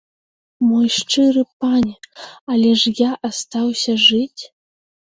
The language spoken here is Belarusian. Мой шчыры пане, але ж я астаўся жыць.